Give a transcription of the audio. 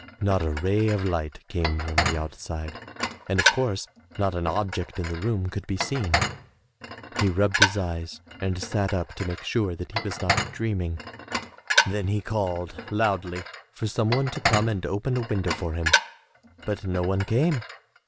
Not a ray of light came from the out side and of course, not an object in the room could be seen. He rubbed his eyes and sat up to make sure that he was not dreaming. Then he called loudly for some one to come and open a window for him, but no one came.